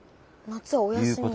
夏はお休み？